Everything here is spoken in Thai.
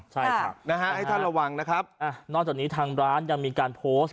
ใช่ครับนะฮะให้ท่านระวังนะครับนอกจากนี้ทางร้านยังมีการโพสต์